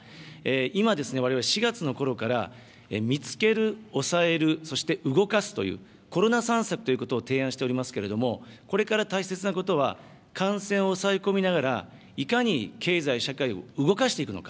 今、われわれ４月のころから見つける、抑える、そして動かすという、コロナ３策ということを提案しておりますけれども、これから大切なことは、感染を抑え込みながら、いかに経済社会を動かしていくのか。